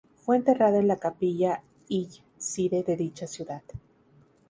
Fue enterrada en la Capilla Hillside de dicha ciudad.